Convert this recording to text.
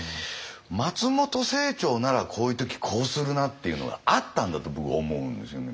松本清張ならこういう時こうするなっていうのがあったんだと僕思うんですよね。